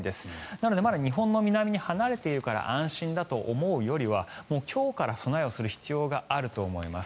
なので、まだ日本の南に離れているから安心だと思うよりは今日から備えをする必要があると思います。